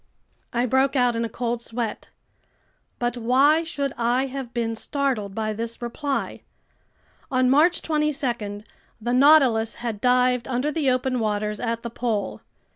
I broke out in a cold sweat. But why should I have been startled by this reply? On March 22 the Nautilus had dived under the open waters at the pole.